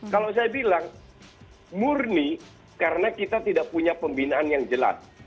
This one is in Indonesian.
kalau saya bilang murni karena kita tidak punya pembinaan yang jelas